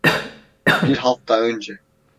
Bir hafta önce.